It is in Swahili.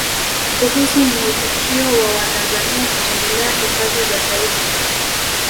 Kuhusu muitikio wa Watanzania kutembelea Hifadhi za Taifa